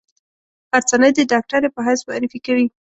غرڅنۍ د ډاکټرې په حیث معرفي کوي.